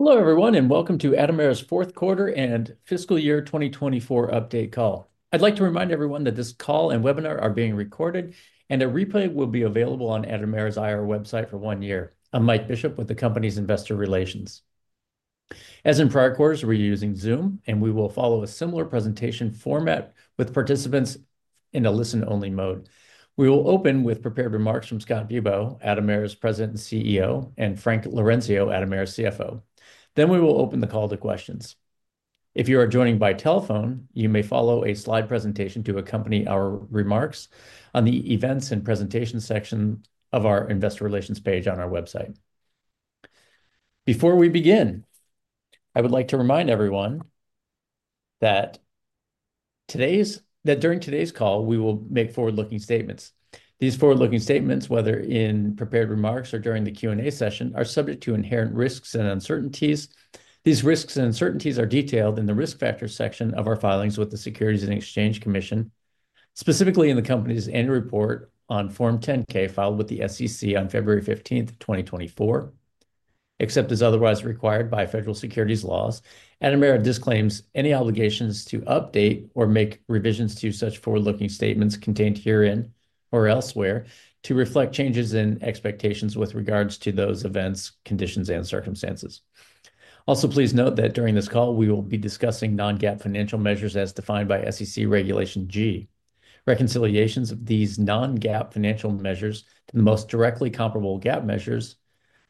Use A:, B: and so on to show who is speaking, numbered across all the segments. A: Hello, everyone, and welcome to Atomera's fourth quarter and fiscal year 2024 update call. I'd like to remind everyone that this call and webinar are being recorded, and a replay will be available on Atomera's IR website for one year. I'm Mike Bishop with the company's investor relations. As in prior quarters, we're using Zoom, and we will follow a similar presentation format with participants in a listen-only mode. We will open with prepared remarks from Scott Bibaud, Atomera's President and CEO, and Frank Laurencio, Atomera's CFO. Then we will open the call to questions. If you are joining by telephone, you may follow a slide presentation to accompany our remarks on the events and presentation section of our investor relations page on our website. Before we begin, I would like to remind everyone that during today's call, we will make forward-looking statements. These forward-looking statements, whether in prepared remarks or during the Q&A session, are subject to inherent risks and uncertainties. These risks and uncertainties are detailed in the risk factor section of our filings with the Securities and Exchange Commission, specifically in the company's annual report on Form 10-K filed with the SEC on February 15th, 2024, except as otherwise required by federal securities laws. Atomera disclaims any obligations to update or make revisions to such forward-looking statements contained herein or elsewhere to reflect changes in expectations with regards to those events, conditions, and circumstances. Also, please note that during this call, we will be discussing non-GAAP financial measures as defined by SEC Regulation G. Reconciliations of these non-GAAP financial measures to the most directly comparable GAAP measures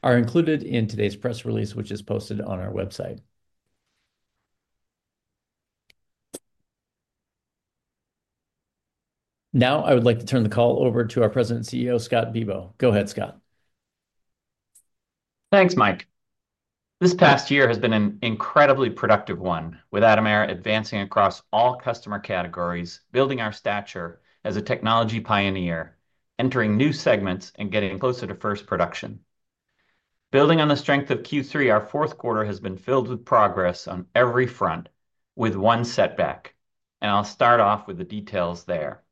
A: are included in today's press release, which is posted on our website. Now, I would like to turn the call over to our President and CEO, Scott Bibaud. Go ahead, Scott.
B: Thanks, Mike. This past year has been an incredibly productive one, with Atomera advancing across all customer categories, building our stature as a technology pioneer, entering new segments, and getting closer to first production. Building on the strength of Q3, our fourth quarter has been filled with progress on every front, with one setback. I'll start off with the details there.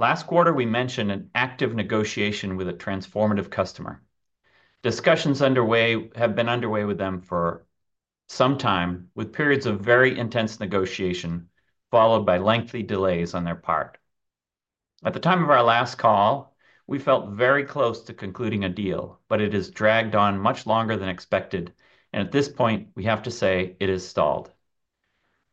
B: Last quarter, we mentioned an active negotiation with a transformative customer. Discussions have been underway with them for some time, with periods of very intense negotiation followed by lengthy delays on their part. At the time of our last call, we felt very close to concluding a deal, but it has dragged on much longer than expected, and at this point, we have to say it is stalled.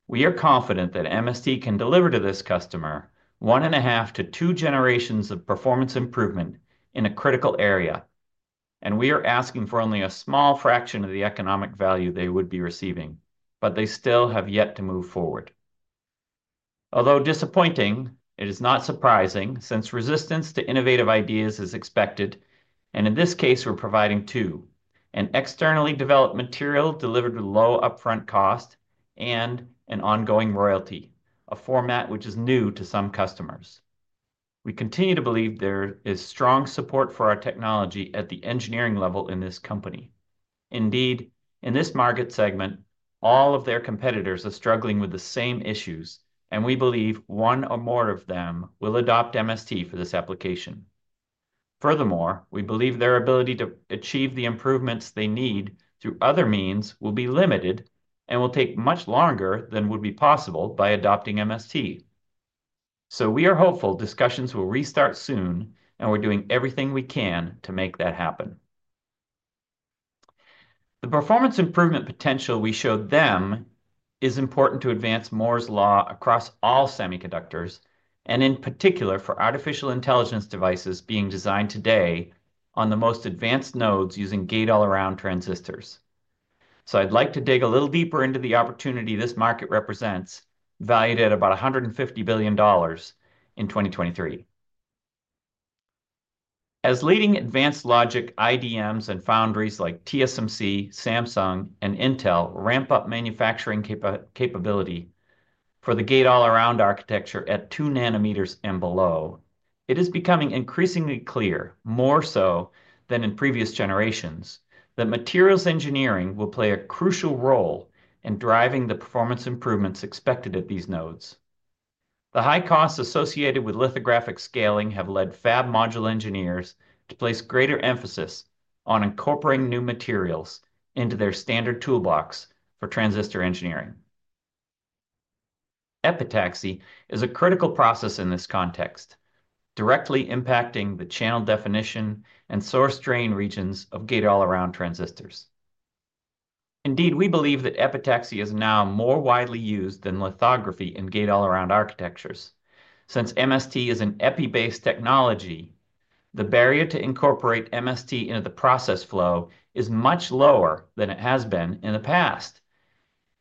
B: We are confident that MST can deliver to this customer one and a half to two generations of performance improvement in a critical area, and we are asking for only a small fraction of the economic value they would be receiving, but they still have yet to move forward. Although disappointing, it is not surprising since resistance to innovative ideas is expected, and in this case, we're providing two: an externally developed material delivered with low upfront cost and an ongoing royalty, a format which is new to some customers. We continue to believe there is strong support for our technology at the engineering level in this company. Indeed, in this market segment, all of their competitors are struggling with the same issues, and we believe one or more of them will adopt MST for this application. Furthermore, we believe their ability to achieve the improvements they need through other means will be limited and will take much longer than would be possible by adopting MST. We are hopeful discussions will restart soon, and we're doing everything we can to make that happen. The performance improvement potential we showed them is important to advance Moore's Law across all semiconductors, and in particular for artificial intelligence devices being designed today on the most advanced nodes using gate-all-around transistors. I'd like to dig a little deeper into the opportunity this market represents, valued at about $150 billion in 2023. As leading advanced logic IDMs and foundries like TSMC, Samsung, and Intel ramp up manufacturing capability for the gate-all-around architecture at 2 nm and below, it is becoming increasingly clear, more so than in previous generations, that materials engineering will play a crucial role in driving the performance improvements expected at these nodes. The high costs associated with lithographic scaling have led fab module engineers to place greater emphasis on incorporating new materials into their standard toolbox for transistor engineering. Epitaxy is a critical process in this context, directly impacting the channel definition and source drain regions of gate-all-around transistors. Indeed, we believe that epitaxy is now more widely used than lithography in gate-all-around architectures. Since MST is an EPI-based technology, the barrier to incorporate MST into the process flow is much lower than it has been in the past.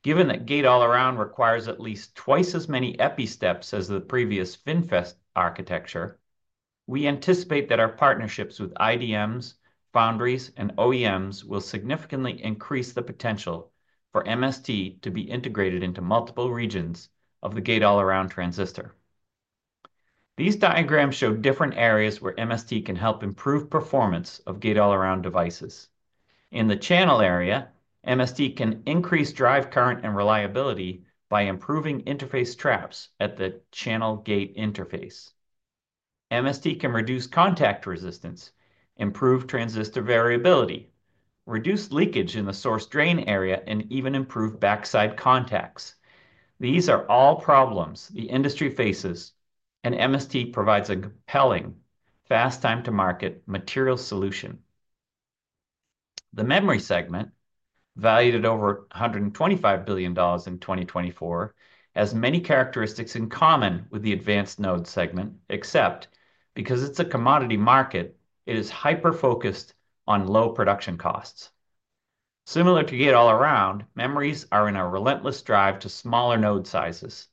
B: Given that gate-all-around requires at least twice as many EPI steps as the previous FinFET architecture, we anticipate that our partnerships with IDMs, foundries, and OEMs will significantly increase the potential for MST to be integrated into multiple regions of the gate-all-around transistor. These diagrams show different areas where MST can help improve performance of gate-all-around devices. In the channel area, MST can increase drive current and reliability by improving interface traps at the channel gate interface. MST can reduce contact resistance, improve transistor variability, reduce leakage in the source drain area, and even improve backside contacts. These are all problems the industry faces, and MST provides a compelling, fast-time-to-market material solution. The memory segment, valued at over $125 billion in 2024, has many characteristics in common with the advanced node segment, except because it's a commodity market, it is hyper-focused on low production costs. Similar to gate-all-around, memories are in a relentless drive to smaller node sizes.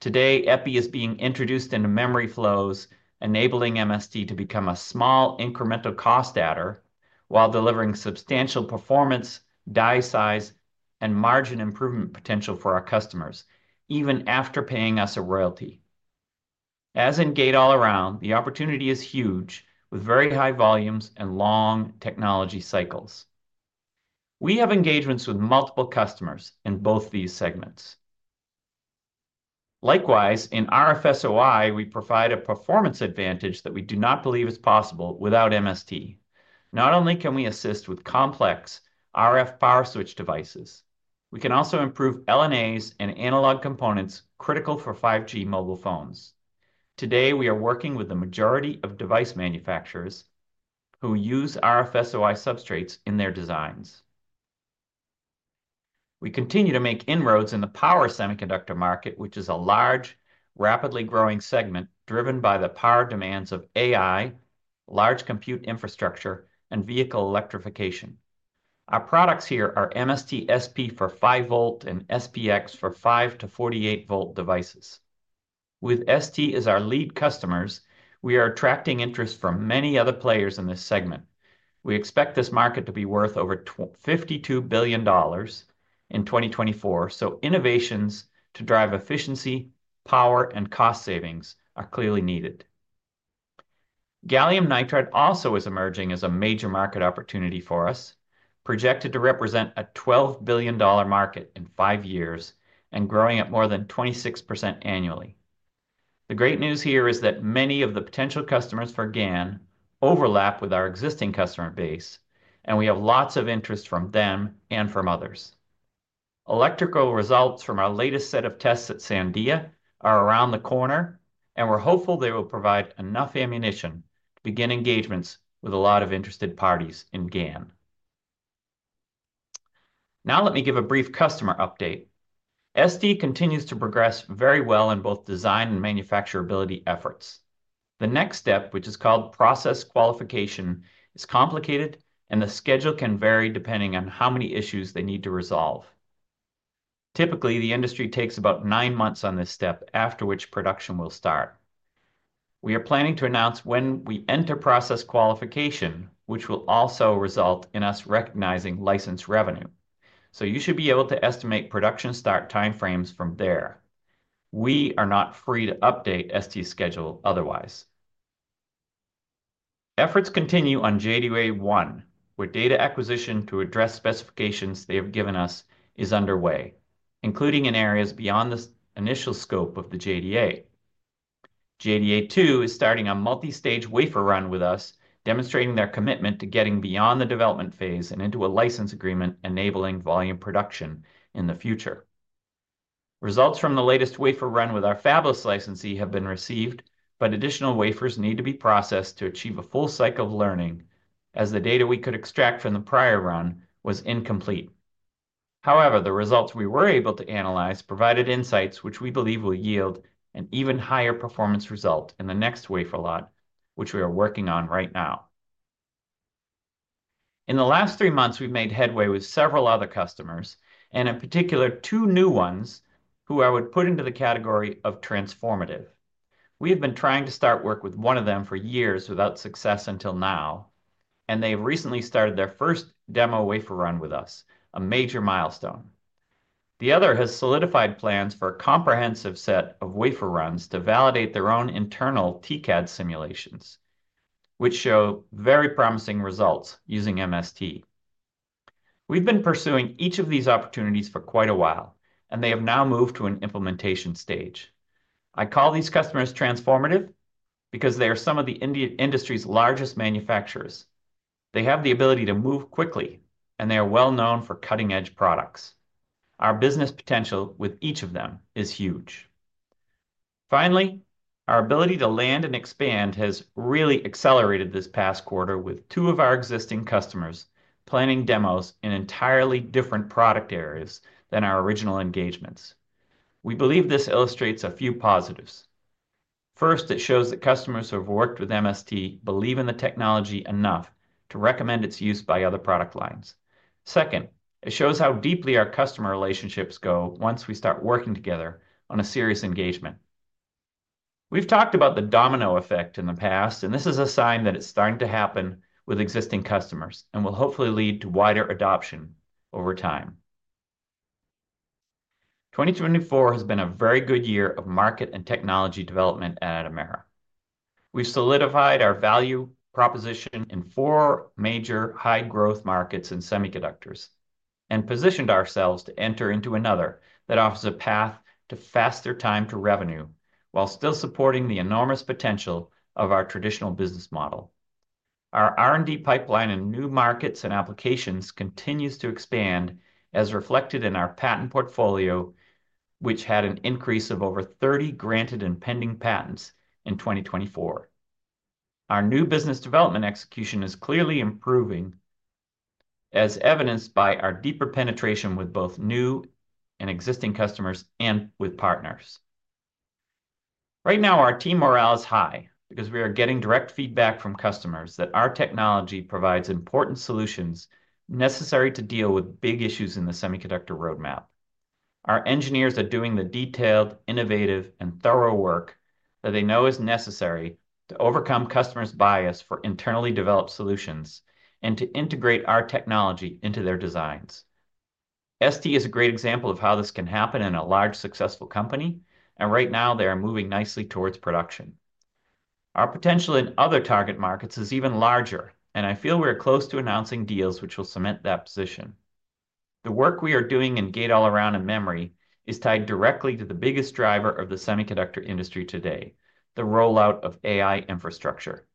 B: Today, EPI is being introduced into memory flows, enabling MST to become a small incremental cost adder while delivering substantial performance, die size, and margin improvement potential for our customers, even after paying us a royalty. As in gate-all-around, the opportunity is huge with very high volumes and long technology cycles. We have engagements with multiple customers in both these segments. Likewise, in RF-SOI, we provide a performance advantage that we do not believe is possible without MST. Not only can we assist with complex RF power switch devices, we can also improve LNAs and analog components critical for 5G mobile phones. Today, we are working with the majority of device manufacturers who use RF-SOI substrates in their designs. We continue to make inroads in the power semiconductor market, which is a large, rapidly growing segment driven by the power demands of AI, large compute infrastructure, and vehicle electrification. Our products here are MST SP for five volt and SPX for five to 48 volt devices. With ST as our lead customers, we are attracting interest from many other players in this segment. We expect this market to be worth over $52 billion in 2024, so innovations to drive efficiency, power, and cost savings are clearly needed. Gallium nitride also is emerging as a major market opportunity for us, projected to represent a $12 billion market in five years and growing at more than 26% annually. The great news here is that many of the potential customers for GaN overlap with our existing customer base, and we have lots of interest from them and from others. Electrical results from our latest set of tests at Sandia are around the corner, and we're hopeful they will provide enough ammunition to begin engagements with a lot of interested parties in GaN. Now, let me give a brief customer update. ST continues to progress very well in both design and manufacturability efforts. The next step, which is called process qualification, is complicated, and the schedule can vary depending on how many issues they need to resolve. Typically, the industry takes about nine months on this step, after which production will start. We are planning to announce when we enter process qualification, which will also result in us recognizing license revenue. You should be able to estimate production start timeframes from there. We are not free to update ST's schedule otherwise. Efforts continue on JDA one, where data acquisition to address specifications they have given us is underway, including in areas beyond the initial scope of the JDA. JDA two is starting a multi-stage wafer run with us, demonstrating their commitment to getting beyond the development phase and into a license agreement enabling volume production in the future. Results from the latest wafer run with our fabless licensee have been received, but additional wafers need to be processed to achieve a full cycle of learning, as the data we could extract from the prior run was incomplete. However, the results we were able to analyze provided insights which we believe will yield an even higher performance result in the next wafer lot, which we are working on right now. In the last three months, we've made headway with several other customers, and in particular, two new ones who I would put into the category of transformative. We have been trying to start work with one of them for years without success until now, and they have recently started their first demo wafer run with us, a major milestone. The other has solidified plans for a comprehensive set of wafer runs to validate their own internal TCAD simulations, which show very promising results using MST. We've been pursuing each of these opportunities for quite a while, and they have now moved to an implementation stage. I call these customers transformative because they are some of the industry's largest manufacturers. They have the ability to move quickly, and they are well-known for cutting-edge products. Our business potential with each of them is huge. Finally, our ability to land and expand has really accelerated this past quarter with two of our existing customers planning demos in entirely different product areas than our original engagements. We believe this illustrates a few positives. First, it shows that customers who have worked with MST believe in the technology enough to recommend its use by other product lines. Second, it shows how deeply our customer relationships go once we start working together on a serious engagement. We've talked about the domino effect in the past, and this is a sign that it's starting to happen with existing customers and will hopefully lead to wider adoption over time. 2024 has been a very good year of market and technology development at Atomera. We've solidified our value proposition in four major high-growth markets in semiconductors and positioned ourselves to enter into another that offers a path to faster time to revenue while still supporting the enormous potential of our traditional business model. Our R&D pipeline in new markets and applications continues to expand, as reflected in our patent portfolio, which had an increase of over 30 granted and pending patents in 2024. Our new business development execution is clearly improving, as evidenced by our deeper penetration with both new and existing customers and with partners. Right now, our team morale is high because we are getting direct feedback from customers that our technology provides important solutions necessary to deal with big issues in the semiconductor roadmap. Our engineers are doing the detailed, innovative, and thorough work that they know is necessary to overcome customers' bias for internally developed solutions and to integrate our technology into their designs. ST is a great example of how this can happen in a large, successful company, and right now, they are moving nicely towards production. Our potential in other target markets is even larger, and I feel we're close to announcing deals which will cement that position. The work we are doing in gate-all-around and memory is tied directly to the biggest driver of the semiconductor industry today, the rollout of AI infrastructure.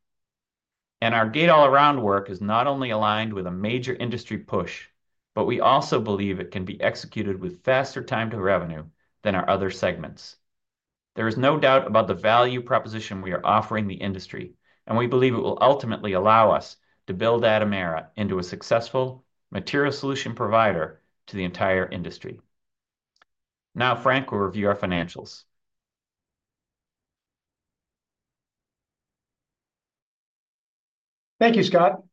B: Our gate-all-around work is not only aligned with a major industry push, but we also believe it can be executed with faster time to revenue than our other segments. There is no doubt about the value proposition we are offering the industry, and we believe it will ultimately allow us to build Atomera into a successful material solution provider to the entire industry. Now, Frank, we'll review our financials.
C: Thank you, Scott.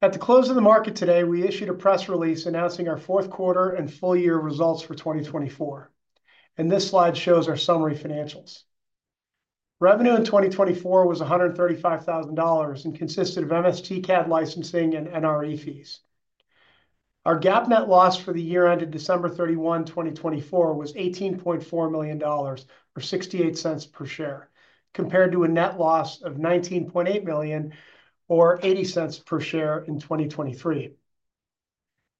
C: At the close of the market today, we issued a press release announcing our fourth quarter and full-year results for 2024. This slide shows our summary financials. Revenue in 2024 was $135,000 and consisted of MST CAD licensing and NRE fees. Our GAAP net loss for the year ended December 31, 2024, was $18.4 million or $0.68 per share, compared to a net loss of $19.8 million or $0.80 per share in 2023.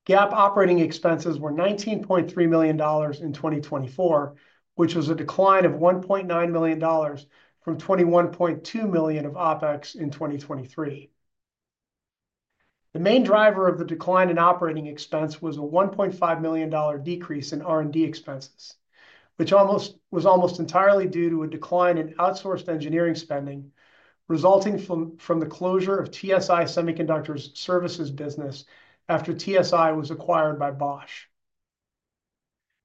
C: GAAP operating expenses were $19.3 million in 2024, which was a decline of $1.9 million from $21.2 million of operating expenses in 2023. The main driver of the decline in operating expense was a $1.5 million decrease in R&D expenses, which was almost entirely due to a decline in outsourced engineering spending resulting from the closure of TSI Semiconductor's services business after TSI was acquired by Bosch.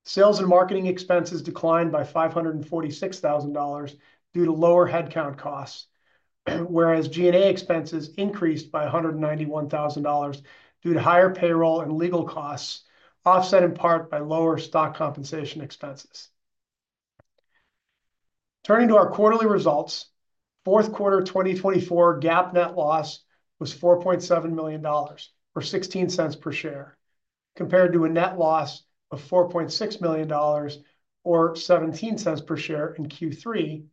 C: Sales and marketing expenses declined by $546,000 due to lower headcount costs, whereas G&A expenses increased by $191,000 due to higher payroll and legal costs, offset in part by lower stock compensation expenses. Turning to our quarterly results, fourth quarter 2024 GAAP net loss was $4.7 million or 16 cents per share, compared to a net loss of $4.6 million or 17 cents per share in Q3,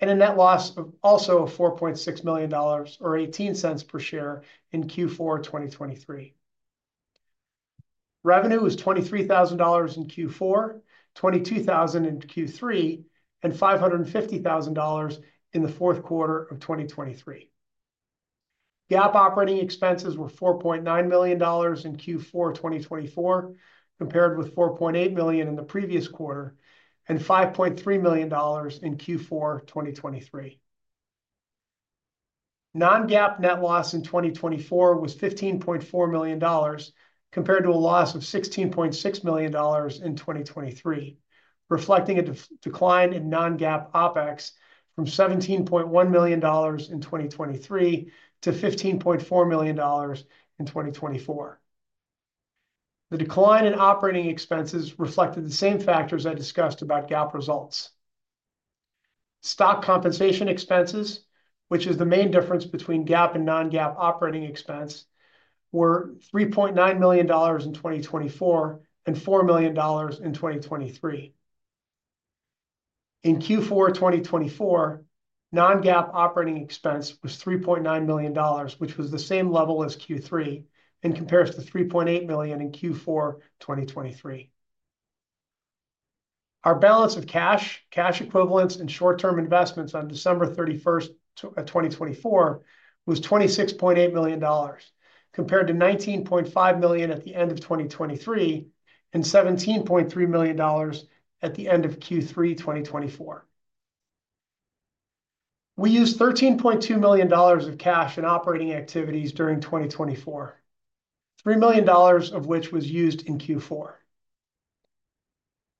C: and a net loss of also $4.6 million or 18 cents per share in Q4 2023. Revenue was $23,000 in Q4, $22,000 in Q3, and $550,000 in the fourth quarter of 2023. GAAP operating expenses were $4.9 million in Q4 2024, compared with $4.8 million in the previous quarter and $5.3 million in Q4 2023. Non-GAAP net loss in 2024 was $15.4 million, compared to a loss of $16.6 million in 2023, reflecting a decline in non-GAAP OPEX from $17.1 million in 2023 to $15.4 million in 2024. The decline in operating expenses reflected the same factors I discussed about GAAP results. Stock compensation expenses, which is the main difference between GAAP and non-GAAP operating expense, were $3.9 million in 2024 and $4 million in 2023. In Q4 2024, non-GAAP operating expense was $3.9 million, which was the same level as Q3 in comparison to $3.8 million in Q4 2023. Our balance of cash, cash equivalents, and short-term investments on December 31, 2024, was $26.8 million, compared to $19.5 million at the end of 2023 and $17.3 million at the end of Q3 2024. We used $13.2 million of cash in operating activities during 2024, $3 million of which was used in Q4.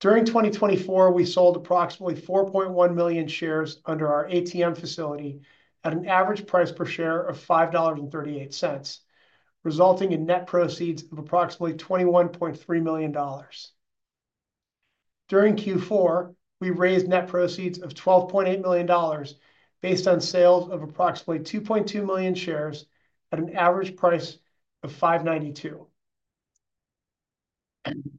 C: During 2024, we sold approximately 4.1 million shares under our ATM facility at an average price per share of $5.38, resulting in net proceeds of approximately $21.3 million. During Q4, we raised net proceeds of $12.8 million based on sales of approximately 2.2 million shares at an average price of $5.92.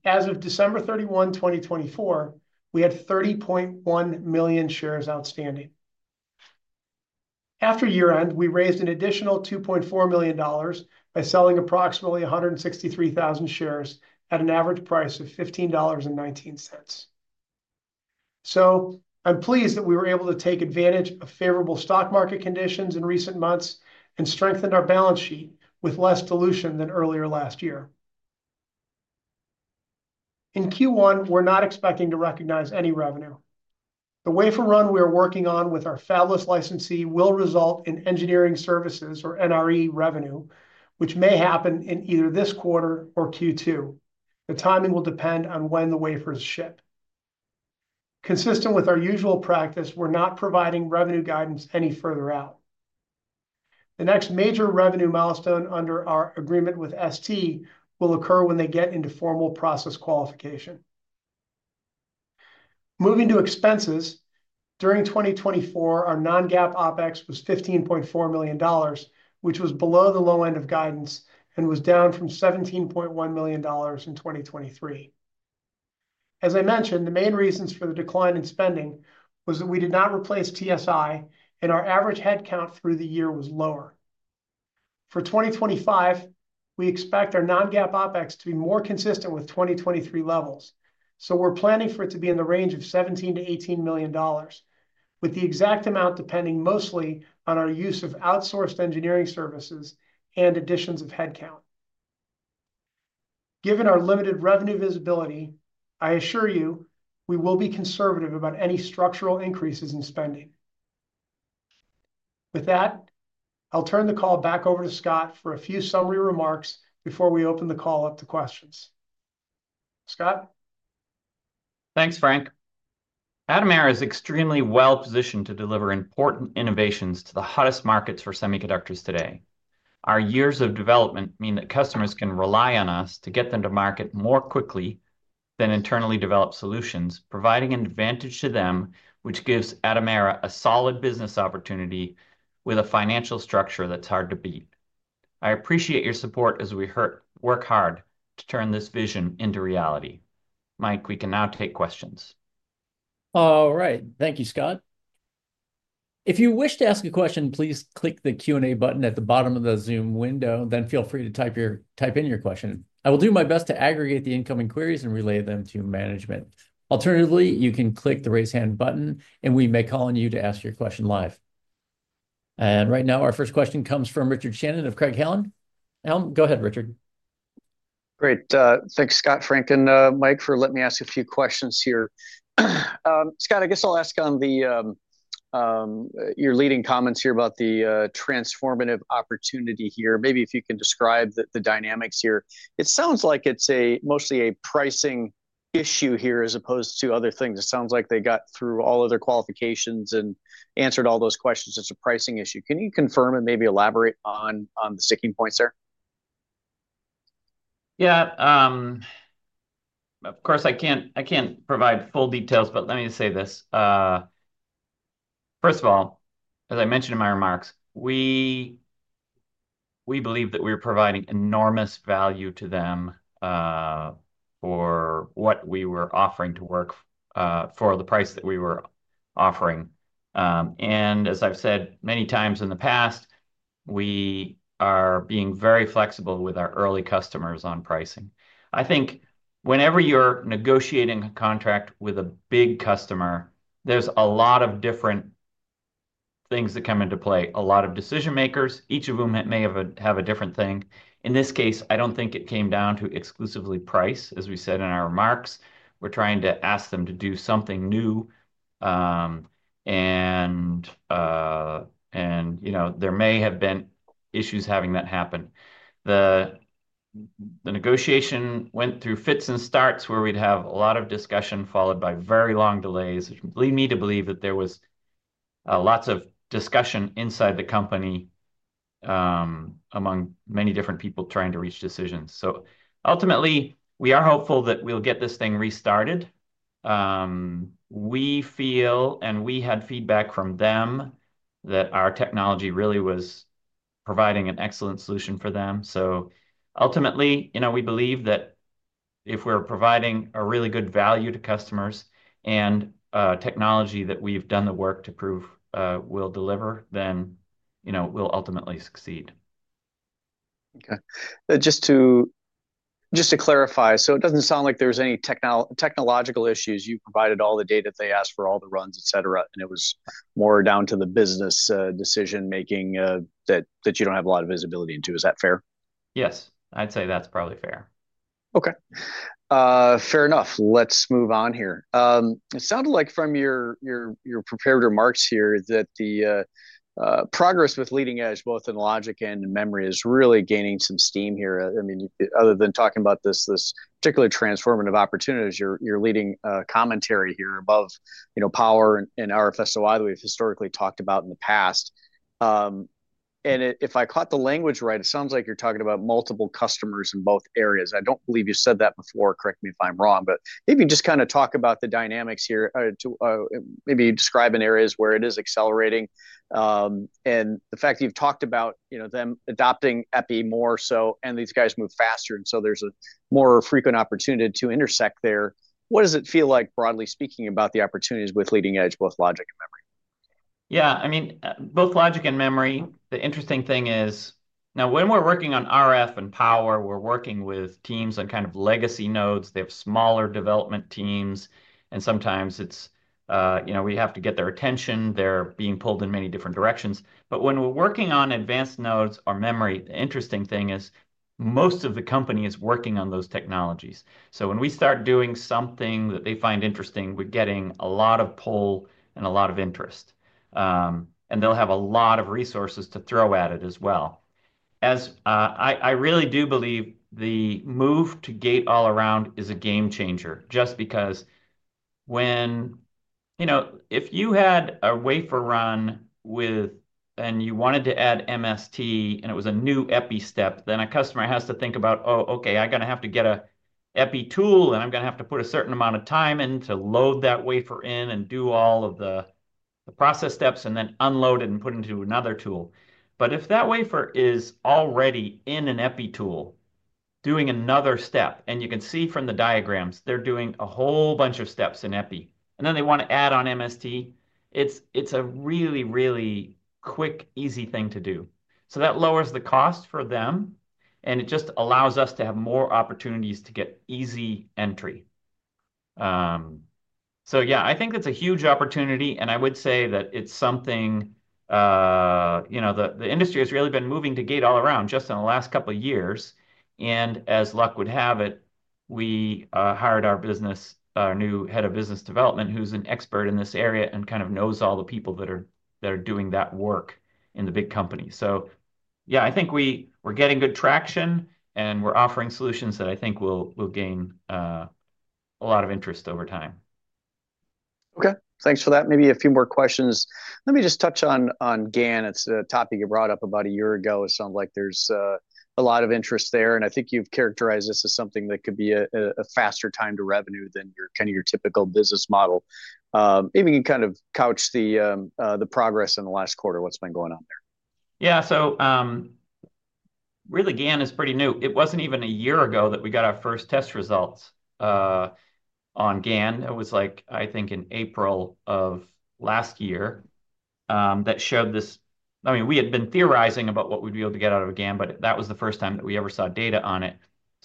C: As of December 31, 2024, we had 30.1 million shares outstanding. After year-end, we raised an additional $2.4 million by selling approximately 163,000 shares at an average price of $15.19. I'm pleased that we were able to take advantage of favorable stock market conditions in recent months and strengthened our balance sheet with less dilution than earlier last year. In Q1, we're not expecting to recognize any revenue. The wafer run we are working on with our fabless licensee will result in engineering services or NRE revenue, which may happen in either this quarter or Q2. The timing will depend on when the wafers ship. Consistent with our usual practice, we're not providing revenue guidance any further out. The next major revenue milestone under our agreement with ST will occur when they get into formal process qualification. Moving to expenses, during 2024, our non-GAAP OpEx was $15.4 million, which was below the low end of guidance and was down from $17.1 million in 2023. As I mentioned, the main reasons for the decline in spending was that we did not replace TSI, and our average headcount through the year was lower. For 2025, we expect our non-GAAP OpEx to be more consistent with 2023 levels, so we're planning for it to be in the range of $17-$18 million, with the exact amount depending mostly on our use of outsourced engineering services and additions of headcount. Given our limited revenue visibility, I assure you we will be conservative about any structural increases in spending. With that, I'll turn the call back over to Scott for a few summary remarks before we open the call up to questions. Scott?
B: Thanks, Frank. Atomera is extremely well-positioned to deliver important innovations to the hottest markets for semiconductors today. Our years of development mean that customers can rely on us to get them to market more quickly than internally developed solutions, providing an advantage to them, which gives Atomera a solid business opportunity with a financial structure that's hard to beat. I appreciate your support as we work hard to turn this vision into reality. Mike, we can now take questions.
A: All right. Thank you, Scott. If you wish to ask a question, please click the Q&A button at the bottom of the Zoom window. Then feel free to type in your question. I will do my best to aggregate the incoming queries and relay them to management. Alternatively, you can click the raise hand button, and we may call on you to ask your question live. Right now, our first question comes from Richard Shannon of Craig-Hallum. Go ahead, Richard.
D: Great. Thanks, Scott, Frank, and Mike for letting me ask a few questions here. Scott, I guess I'll ask on your leading comments here about the transformative opportunity here. Maybe if you can describe the dynamics here. It sounds like it's mostly a pricing issue here as opposed to other things. It sounds like they got through all of their qualifications and answered all those questions. It's a pricing issue. Can you confirm and maybe elaborate on the sticking points there?
B: Yeah. Of course, I can't provide full details, but let me say this. First of all, as I mentioned in my remarks, we believe that we are providing enormous value to them for what we were offering to work for the price that we were offering. And as I've said many times in the past, we are being very flexible with our early customers on pricing. I think whenever you're negotiating a contract with a big customer, there's a lot of different things that come into play, a lot of decision-makers, each of whom may have a different thing. In this case, I don't think it came down to exclusively price, as we said in our remarks. We're trying to ask them to do something new, and there may have been issues having that happen. The negotiation went through fits and starts, where we'd have a lot of discussion followed by very long delays, which led me to believe that there was lots of discussion inside the company among many different people trying to reach decisions. Ultimately, we are hopeful that we'll get this thing restarted. We feel, and we had feedback from them, that our technology really was providing an excellent solution for them. Ultimately, we believe that if we're providing a really good value to customers and technology that we've done the work to prove will deliver, then we'll ultimately succeed.
D: Okay. Just to clarify, it doesn't sound like there's any technological issues. You provided all the data they asked for, all the runs, etc., and it was more down to the business decision-making that you don't have a lot of visibility into. Is that fair?
B: Yes. I'd say that's probably fair.
D: Okay. Fair enough. Let's move on here. It sounded like from your prepared remarks here that the progress with leading edge, both in logic and in memory, is really gaining some steam here. I mean, other than talking about this particular transformative opportunity, your leading commentary here above power and RF-SOI that we've historically talked about in the past. If I caught the language right, it sounds like you're talking about multiple customers in both areas. I don't believe you said that before. Correct me if I'm wrong, but maybe just kind of talk about the dynamics here. Maybe describe in areas where it is accelerating. The fact that you've talked about them adopting EPI more so and these guys move faster, and so there's a more frequent opportunity to intersect there. What does it feel like, broadly speaking, about the opportunities with leading edge, both logic and memory?
B: Yeah. I mean, both logic and memory, the interesting thing is now when we're working on RF and power, we're working with teams on kind of legacy nodes. They have smaller development teams, and sometimes we have to get their attention. They're being pulled in many different directions. When we're working on advanced nodes or memory, the interesting thing is most of the company is working on those technologies. So when we start doing something that they find interesting, we're getting a lot of pull and a lot of interest, and they'll have a lot of resources to throw at it as well. I really do believe the move to gate-all-around is a game changer just because if you had a wafer run and you wanted to add MST, and it was a new EPI step, then a customer has to think about, "Oh, okay, I'm going to have to get an EPI tool, and I'm going to have to put a certain amount of time in to load that wafer in and do all of the process steps and then unload it and put it into another tool." If that wafer is already in an EPI tool doing another step, and you can see from the diagrams, they're doing a whole bunch of steps in EPI, and then they want to add on MST, it's a really, really quick, easy thing to do. That lowers the cost for them, and it just allows us to have more opportunities to get easy entry. Yeah, I think it's a huge opportunity, and I would say that it's something the industry has really been moving to gate-all-around just in the last couple of years. As luck would have it, we hired our new head of business development, who's an expert in this area and kind of knows all the people that are doing that work in the big company. Yeah, I think we're getting good traction, and we're offering solutions that I think will gain a lot of interest over time.
D: Okay. Thanks for that. Maybe a few more questions. Let me just touch on GaN. It's a topic you brought up about a year ago. It sounds like there's a lot of interest there, and I think you've characterized this as something that could be a faster time to revenue than kind of your typical business model. Maybe you can kind of couch the progress in the last quarter, what's been going on there.
B: Yeah. Really, GaN is pretty new. It wasn't even a year ago that we got our first test results on GaN. It was, like, I think, in April of last year that showed this. I mean, we had been theorizing about what we'd be able to get out of GaN, but that was the first time that we ever saw data on it.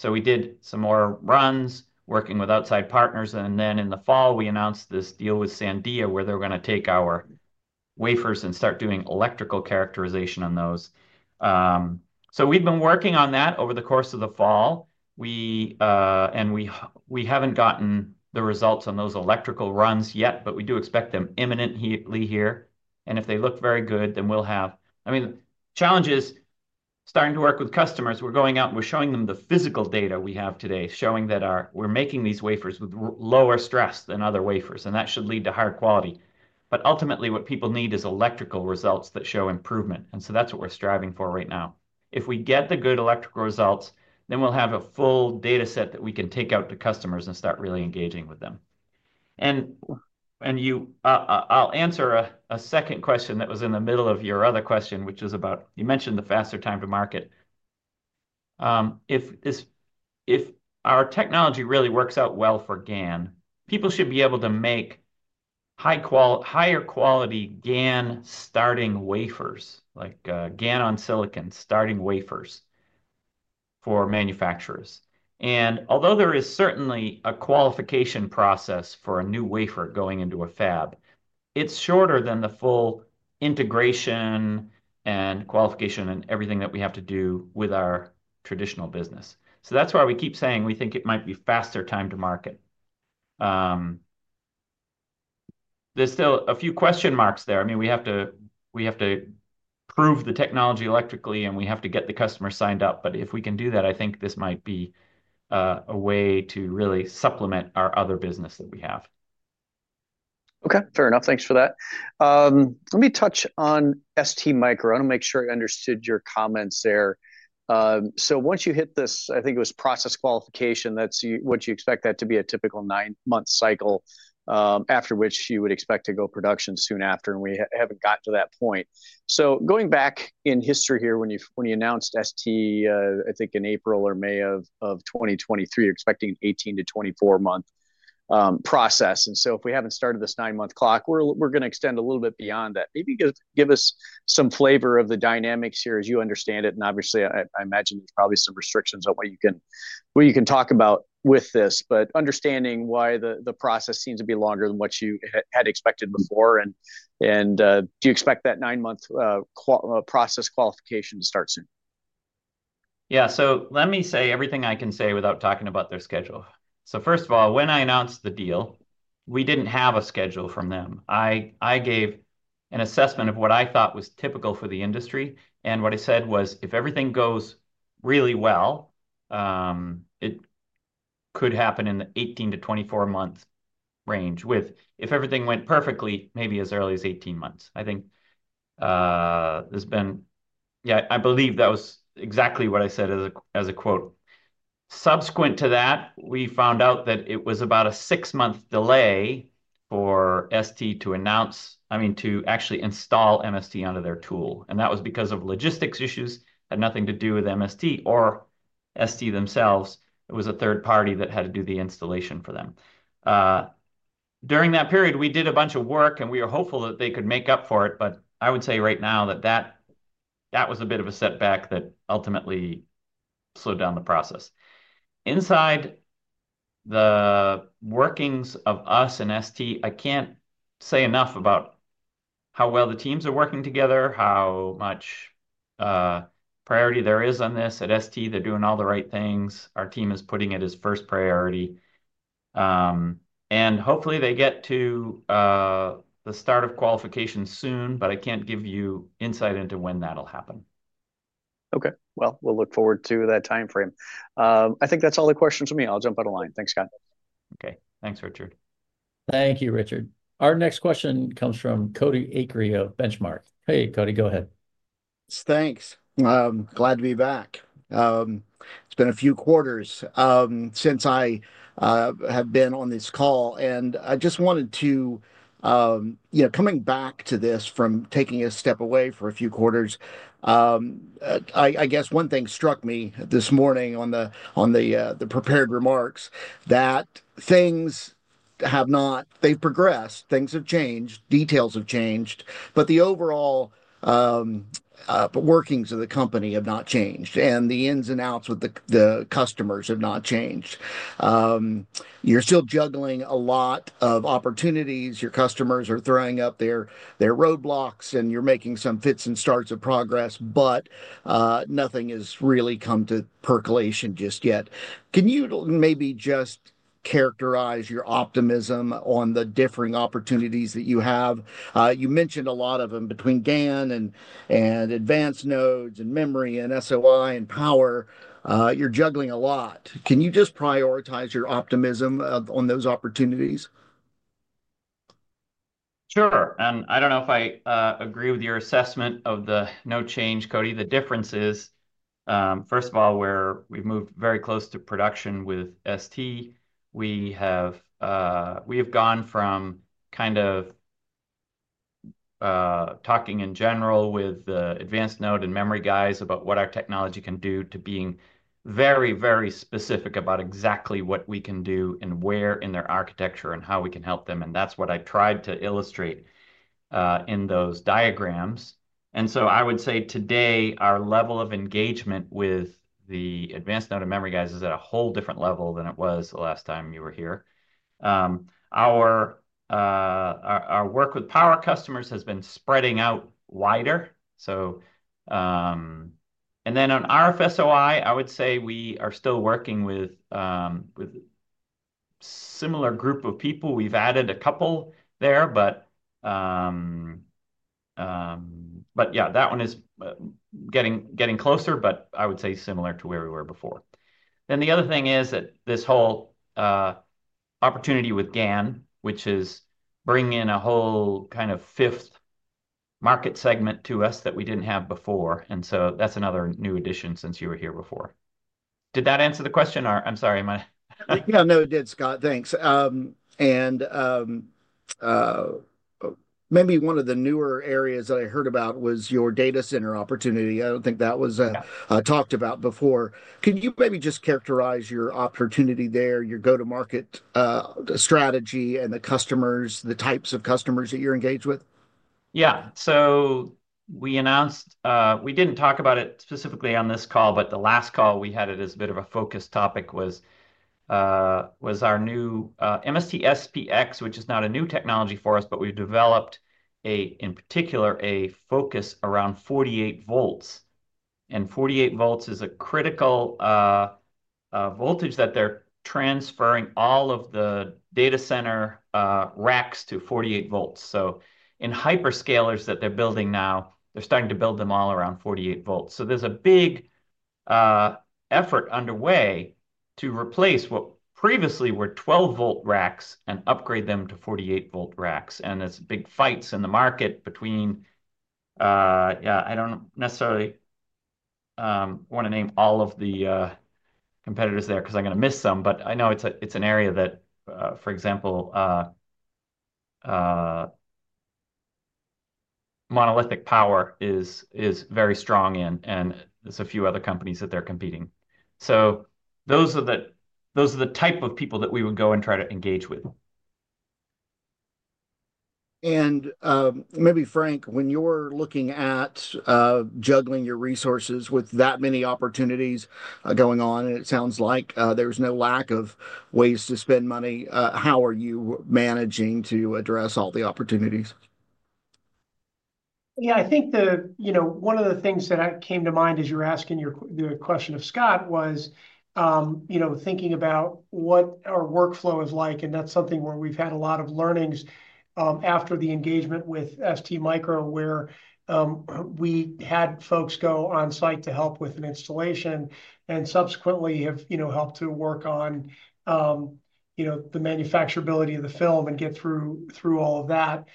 B: We did some more runs working with outside partners, and then in the fall, we announced this deal with Sandia where they're going to take our wafers and start doing electrical characterization on those. We have been working on that over the course of the fall, and we have not gotten the results on those electrical runs yet, but we do expect them imminently here. If they look very good, then we will have, I mean, the challenge is starting to work with customers. We are going out and we are showing them the physical data we have today, showing that we are making these wafers with lower stress than other wafers, and that should lead to higher quality. Ultimately, what people need is electrical results that show improvement, and that is what we are striving for right now. If we get the good electrical results, then we will have a full data set that we can take out to customers and start really engaging with them. I'll answer a second question that was in the middle of your other question, which was about you mentioned the faster time to market. If our technology really works out well for GaN, people should be able to make higher quality GaN starting wafers, like GaN on silicon starting wafers for manufacturers. Although there is certainly a qualification process for a new wafer going into a fab, it is shorter than the full integration and qualification and everything that we have to do with our traditional business. That is why we keep saying we think it might be faster time to market. There are still a few question marks there. I mean, we have to prove the technology electrically, and we have to get the customer signed up. If we can do that, I think this might be a way to really supplement our other business that we have.
D: Okay. Fair enough. Thanks for that. Let me touch on ST Micro. I want to make sure I understood your comments there. Once you hit this, I think it was process qualification, that's what you expect that to be a typical nine-month cycle, after which you would expect to go production soon after, and we haven't gotten to that point. Going back in history here, when you announced ST, I think in April or May of 2023, you were expecting an 18-24 month process. If we haven't started this nine-month clock, we're going to extend a little bit beyond that. Maybe give us some flavor of the dynamics here as you understand it. Obviously, I imagine there's probably some restrictions on what you can talk about with this, but understanding why the process seems to be longer than what you had expected before. Do you expect that nine-month process qualification to start soon?
B: Yeah. Let me say everything I can say without talking about their schedule. First of all, when I announced the deal, we did not have a schedule from them. I gave an assessment of what I thought was typical for the industry, and what I said was, "If everything goes really well, it could happen in the 18-24 month range. If everything went perfectly, maybe as early as 18 months." I think there has been, yeah, I believe that was exactly what I said as a quote. Subsequent to that, we found out that it was about a six-month delay for ST to announce, I mean, to actually install MST onto their tool. That was because of logistics issues that had nothing to do with MST or ST themselves. It was a third party that had to do the installation for them. During that period, we did a bunch of work, and we were hopeful that they could make up for it. I would say right now that that was a bit of a setback that ultimately slowed down the process. Inside the workings of us and ST, I can't say enough about how well the teams are working together, how much priority there is on this. At ST, they're doing all the right things. Our team is putting it as first priority. Hopefully, they get to the start of qualification soon, but I can't give you insight into when that'll happen.
D: Okay. We'll look forward to that time frame. I think that's all the questions for me. I'll jump out of line. Thanks, Scott. Okay.
B: Thanks, Richard.
A: Thank you, Richard. Our next question comes from Cody Acree of Benchmark. Hey, Cody, go ahead. Thanks. Glad to be back. It's been a few quarters since I have been on this call, and I just wanted to, coming back to this from taking a step away for a few quarters, I guess one thing struck me this morning on the prepared remarks that things have not, they've progressed. Things have changed. Details have changed. But the overall workings of the company have not changed, and the ins and outs with the customers have not changed. You're still juggling a lot of opportunities. Your customers are throwing up their roadblocks, and you're making some fits and starts of progress, but nothing has really come to percolation just yet. Can you maybe just characterize your optimism on the differing opportunities that you have? You mentioned a lot of them between GaN and advanced nodes and memory and SOI and power. You're juggling a lot. Can you just prioritize your optimism on those opportunities?
B: Sure. I don't know if I agree with your assessment of the no change, Cody. The difference is, first of all, where we've moved very close to production with ST, we have gone from kind of talking in general with the advanced node and memory guys about what our technology can do to being very, very specific about exactly what we can do and where in their architecture and how we can help them. That is what I tried to illustrate in those diagrams. I would say today, our level of engagement with the advanced node and memory guys is at a whole different level than it was the last time you were here. Our work with power customers has been spreading out wider. On RF-SOI, I would say we are still working with a similar group of people. We've added a couple there, but yeah, that one is getting closer, but I would say similar to where we were before. The other thing is that this whole opportunity with GaN, which is bringing in a whole kind of fifth market segment to us that we didn't have before. That is another new addition since you were here before. Did that answer the question? I'm sorry. Yeah. No, it did, Scott. Thanks. Maybe one of the newer areas that I heard about was your data center opportunity. I don't think that was talked about before. Could you maybe just characterize your opportunity there, your go-to-market strategy, and the customers, the types of customers that you're engaged with? Yeah. We announced we didn't talk about it specifically on this call, but the last call we had it as a bit of a focus topic was our new MST SPX, which is not a new technology for us, but we've developed, in particular, a focus around 48 volts. Forty-eight volts is a critical voltage that they're transferring all of the data center racks to 48 volts. In hyperscalers that they're building now, they're starting to build them all around 48 volts. There's a big effort underway to replace what previously were 12-volt racks and upgrade them to 48-volt racks. There are big fights in the market between, yeah, I do not necessarily want to name all of the competitors there because I am going to miss some, but I know it is an area that, for example, Monolithic Power is very strong in, and there are a few other companies that they are competing. Those are the type of people that we would go and try to engage with. Maybe, Frank, when you are looking at juggling your resources with that many opportunities going on, and it sounds like there is no lack of ways to spend money, how are you managing to address all the opportunities? Yeah. I think one of the things that came to mind as you were asking the question of Scott was thinking about what our workflow is like, and that's something where we've had a lot of learnings after the engagement with ST Microelectronics, where we had folks go on site to help with an installation and subsequently have helped to work on the manufacturability of the film and get through all of that.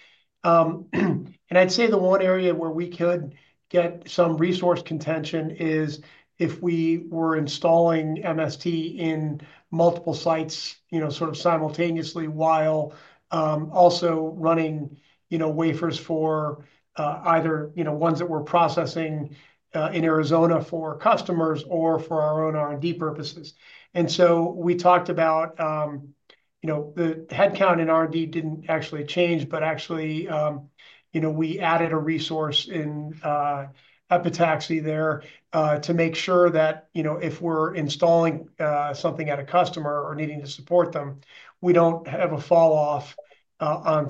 B: I'd say the one area where we could get some resource contention is if we were installing MST in multiple sites sort of simultaneously while also running wafers for either ones that we're processing in Arizona for customers or for our own R&D purposes. We talked about the headcount in R&D did not actually change, but actually, we added a resource in Epitaxy there to make sure that if we are installing something at a customer or needing to support them, we do not have a falloff on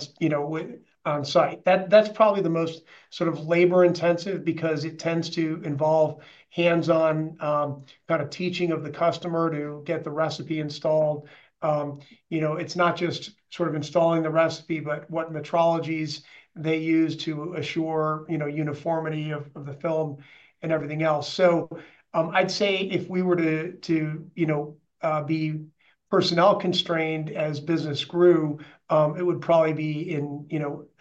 B: site. That is probably the most sort of labor-intensive because it tends to involve hands-on kind of teaching of the customer to get the recipe installed. It is not just sort of installing the recipe, but what metrologies they use to assure uniformity of the film and everything else. I would say if we were to be personnel constrained as business grew, it would probably be in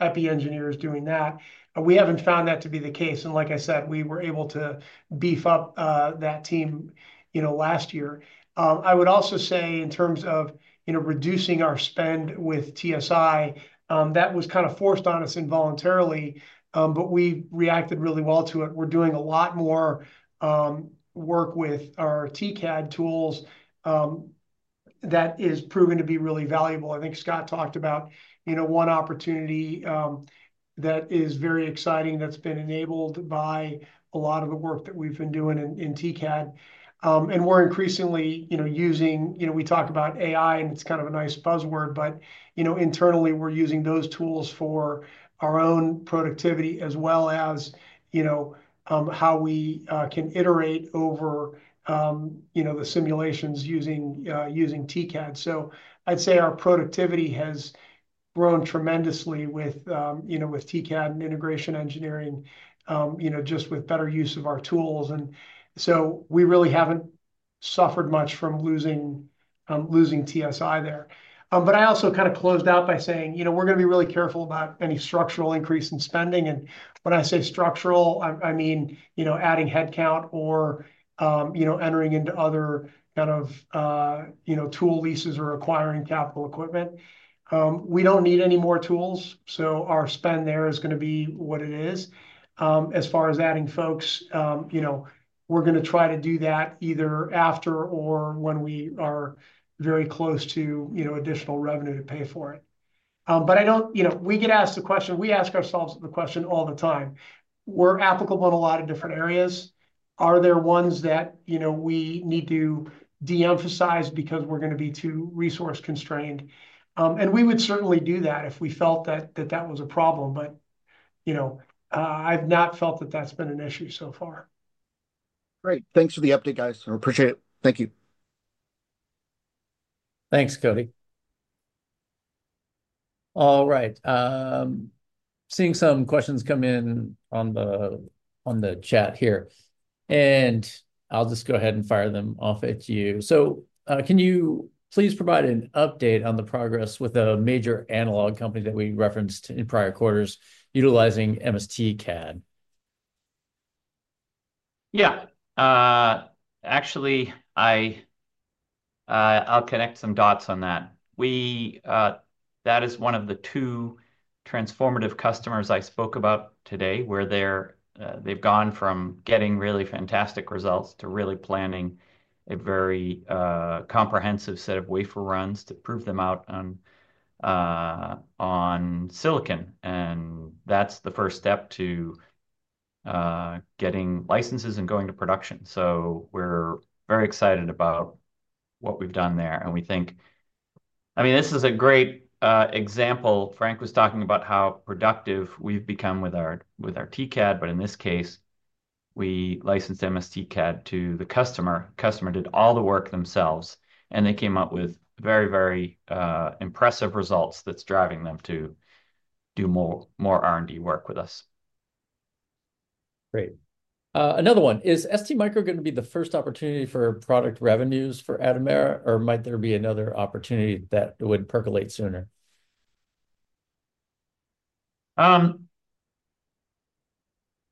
B: EPI engineers doing that. We have not found that to be the case. Like I said, we were able to beef up that team last year. I would also say in terms of reducing our spend with TSI, that was kind of forced on us involuntarily, but we reacted really well to it. We're doing a lot more work with our TCAD tools that is proven to be really valuable. I think Scott talked about one opportunity that is very exciting that's been enabled by a lot of the work that we've been doing in TCAD. We're increasingly using, we talk about AI, and it's kind of a nice buzzword, but internally, we're using those tools for our own productivity as well as how we can iterate over the simulations using TCAD. I'd say our productivity has grown tremendously with TCAD and integration engineering, just with better use of our tools. We really haven't suffered much from losing TSI there. I also kind of closed out by saying we're going to be really careful about any structural increase in spending. When I say structural, I mean adding headcount or entering into other kind of tool leases or acquiring capital equipment. We do not need any more tools, so our spend there is going to be what it is. As far as adding folks, we're going to try to do that either after or when we are very close to additional revenue to pay for it. I do not—we get asked the question, we ask ourselves the question all the time. We're applicable in a lot of different areas. Are there ones that we need to de-emphasize because we're going to be too resource-constrained? We would certainly do that if we felt that that was a problem, but I have not felt that that's been an issue so far. Great. Thanks for the update, guys. I appreciate it. Thank you.
A: Thanks, Cody. All right. Seeing some questions come in on the chat here. I'll just go ahead and fire them off at you. Can you please provide an update on the progress with a major analog company that we referenced in prior quarters utilizing MST CAD?
B: Yeah. Actually, I'll connect some dots on that. That is one of the two transformative customers I spoke about today where they've gone from getting really fantastic results to really planning a very comprehensive set of wafer runs to prove them out on silicon. That's the first step to getting licenses and going to production. We're very excited about what we've done there. We think, I mean, this is a great example. Frank was talking about how productive we've become with our TCAD, but in this case, we licensed MST CAD to the customer. The customer did all the work themselves, and they came up with very, very impressive results that's driving them to do more R&D work with us.
A: Great. Another one. Is ST Micro going to be the first opportunity for product revenues for Atomera? Or might there be another opportunity that would percolate sooner?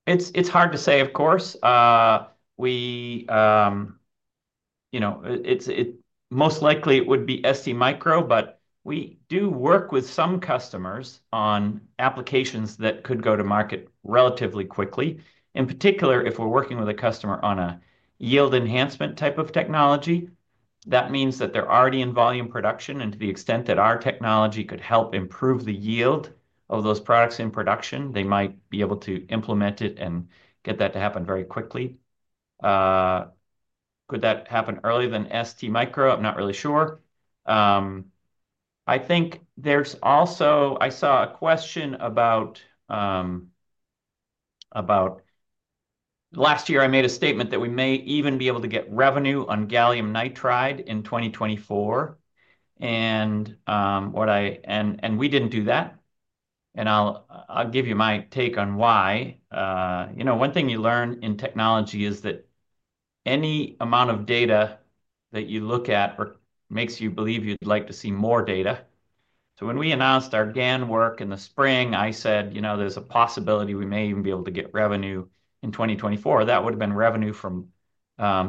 B: It's hard to say, of course. Most likely, it would be ST Micro, but we do work with some customers on applications that could go to market relatively quickly. In particular, if we're working with a customer on a yield enhancement type of technology, that means that they're already in volume production. To the extent that our technology could help improve the yield of those products in production, they might be able to implement it and get that to happen very quickly. Could that happen earlier than ST Micro? I'm not really sure. I think there's also, I saw a question about last year, I made a statement that we may even be able to get revenue on gallium nitride in 2024. We didn't do that. I'll give you my take on why. One thing you learn in technology is that any amount of data that you look at makes you believe you'd like to see more data. When we announced our GaN work in the spring, I said, "There's a possibility we may even be able to get revenue in 2024." That would have been revenue from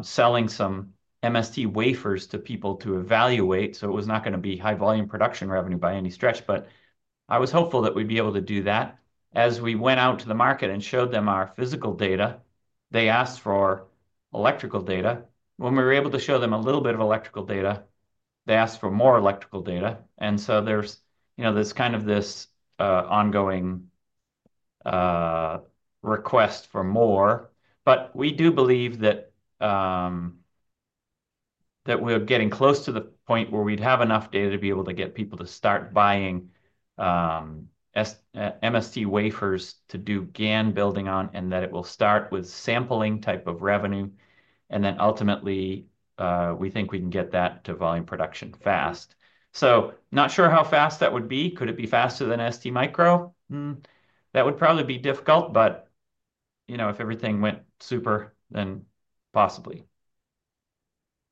B: selling some MST wafers to people to evaluate. It was not going to be high-volume production revenue by any stretch, but I was hopeful that we'd be able to do that. As we went out to the market and showed them our physical data, they asked for electrical data. When we were able to show them a little bit of electrical data, they asked for more electrical data. There is kind of this ongoing request for more. We do believe that we're getting close to the point where we'd have enough data to be able to get people to start buying MST wafers to do GaN building on and that it will start with sampling type of revenue. Ultimately, we think we can get that to volume production fast. Not sure how fast that would be. Could it be faster than STMicroelectronics? That would probably be difficult, but if everything went super, then possibly.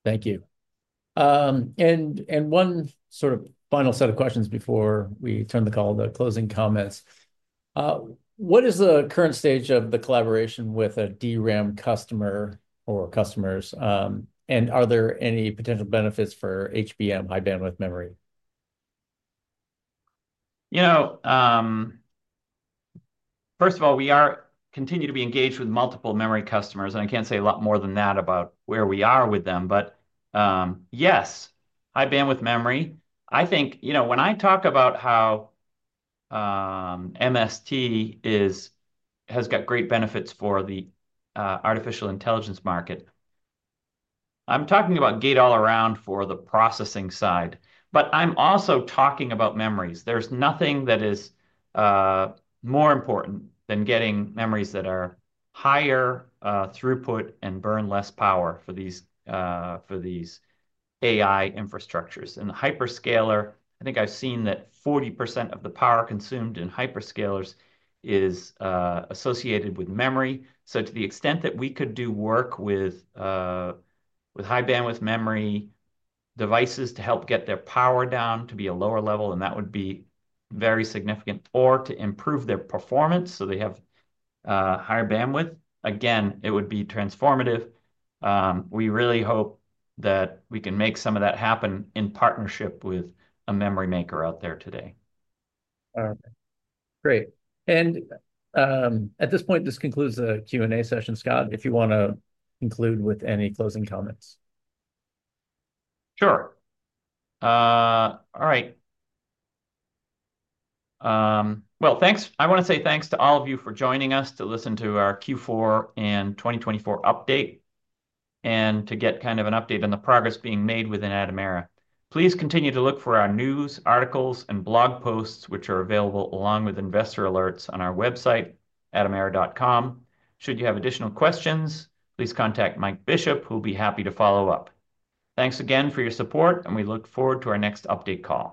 A: Thank you. One sort of final set of questions before we turn the call to closing comments. What is the current stage of the collaboration with a DRAM customer or customers? Are there any potential benefits for HBM, high bandwidth memory?
B: First of all, we continue to be engaged with multiple memory customers. I cannot say a lot more than that about where we are with them. Yes, high bandwidth memory. I think when I talk about how MST has got great benefits for the artificial intelligence market, I am talking about gate-all-around for the processing side, but I am also talking about memories. There is nothing that is more important than getting memories that are higher throughput and burn less power for these AI infrastructures. The hyperscaler, I think I've seen that 40% of the power consumed in hyperscalers is associated with memory. To the extent that we could do work with high bandwidth memory devices to help get their power down to be a lower level, that would be very significant, or to improve their performance so they have higher bandwidth, again, it would be transformative. We really hope that we can make some of that happen in partnership with a memory maker out there today.
A: All right. Great. At this point, this concludes the Q&A session. Scott, if you want to conclude with any closing comments.
B: Sure. All right. Thanks. I want to say thanks to all of you for joining us to listen to our Q4 and 2024 update and to get kind of an update on the progress being made within Atomera. Please continue to look for our news, articles, and blog posts, which are available along with investor alerts on our website, atomera.com. Should you have additional questions, please contact Mike Bishop, who will be happy to follow up. Thanks again for your support, and we look forward to our next update call.